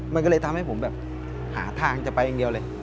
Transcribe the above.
มันก็เลยทำให้ผมแบบหาทางจะไปอย่างเดียวเลย